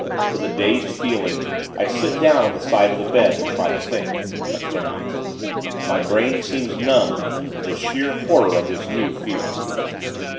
With a dazed feeling, I sit down on the side of the bed, and try to think; but cannot. My brain seems numbed with the sheer horror of this new fear.